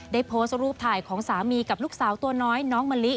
ได้โพสต์รูปถ่ายของสามีกับลูกสาวตัวน้อยน้องมะลิ